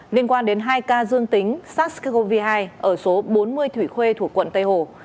liên quan đến hai ca dương tính sars cov hai ở số bốn mươi thủy khuê thuộc quận tây hồ